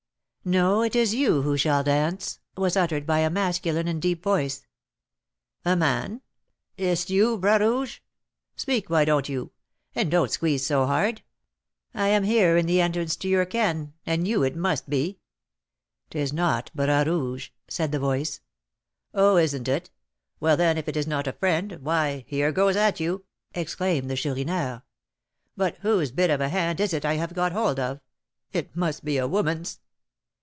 "No, it is you who shall dance!" was uttered by a masculine and deep voice. "A man! Is't you, Bras Rouge? Speak, why don't you? and don't squeeze so hard. I am here in the entrance to your 'ken,' and you it must be." "'Tis not Bras Rouge!" said the voice. "Oh! isn't it? Well, then, if it is not a friend, why, here goes at you," exclaimed the Chourineur. "But whose bit of a hand is it I have got hold of? It must be a woman's!"